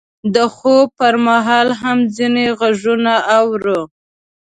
د خوب پر مهال هم ځینې غږونه اورو.